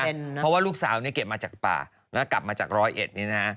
เพราะว่าลูกสาวเนี่ยเก็บมาจากป่าแล้วกลับมาจากร้อยเอ็ดนี่นะ